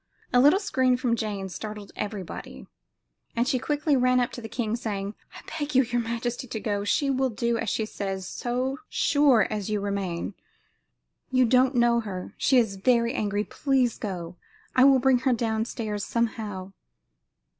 A little scream from Jane startled everybody, and she quickly ran up to the king, saying: "I beg your majesty to go. She will do as she says so sure as you remain; you don't know her; she is very angry. Please go; I will bring her down stairs somehow."